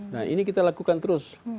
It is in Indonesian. nah ini kita lakukan terus